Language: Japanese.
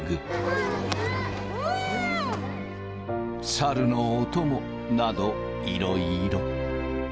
猿のお供などいろいろ。